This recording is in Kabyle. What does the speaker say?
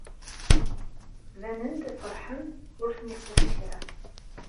Ttbanen-d feṛḥen, ur ten-ixuṣṣ kra.